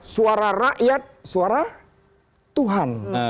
suara rakyat suara tuhan